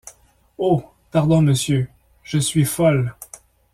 Oh ! pardon, monsieur, je suis folle.